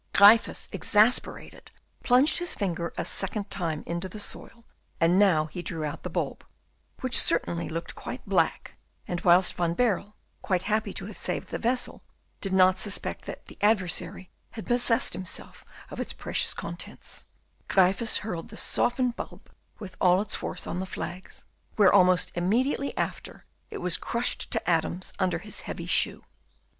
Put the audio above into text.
Gryphus, exasperated, plunged his finger a second time into the soil, and now he drew out the bulb, which certainly looked quite black; and whilst Van Baerle, quite happy to have saved the vessel, did not suspect that the adversary had possessed himself of its precious contents, Gryphus hurled the softened bulb with all his force on the flags, where almost immediately after it was crushed to atoms under his heavy shoe.